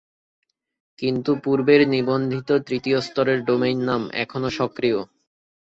কিন্তু পূর্বের নিবন্ধিত তৃতীয় স্তরের ডোমেইন নাম এখনো সক্রিয়।